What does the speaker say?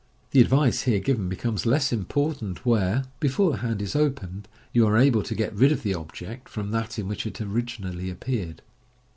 The advice here given becomes less important where, before the hand is opened, you are able to get rid of the object from that in which it originally appeared.